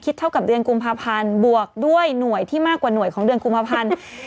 เท่ากับเดือนกุมภาพันธ์บวกด้วยหน่วยที่มากกว่าหน่วยของเดือนกุมภาพันธ์